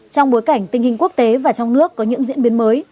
trong bối cảnh tình hình quốc tế và trong nước có những diễn biến mới